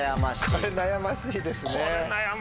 これ悩ましいですね。